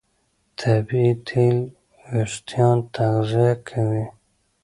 طبیعي تېل وېښتيان تغذیه کوي.